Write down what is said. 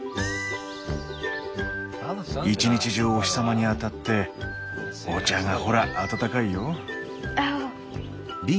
一日中お日様に当たってお茶がほら温かいよ。